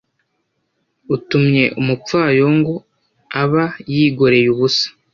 utumye umupfayongo, aba yigoreye ubusa